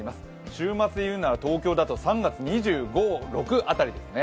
週末でいうなら東京だと３月２５、２６辺りですね。